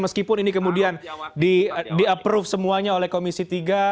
meskipun ini kemudian di approve semuanya oleh komisi tiga